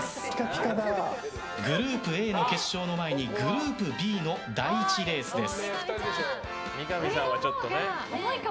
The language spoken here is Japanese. グループＡの決勝の前にグループＢの第１レースです。